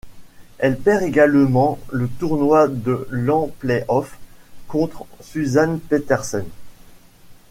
Elle perd également le tournoi de l' en playoff contre Suzann Pettersen.